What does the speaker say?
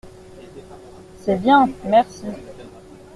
C’est bien… merci…